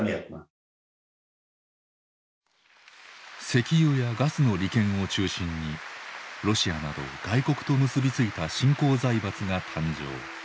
石油やガスの利権を中心にロシアなど外国と結び付いた新興財閥が誕生。